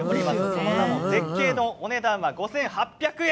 その名も絶景丼お値段は５８００円。